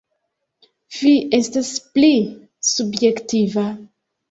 Fi estas pli subjektiva.